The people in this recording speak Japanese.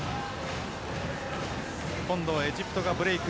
今度はエジプトがブレーク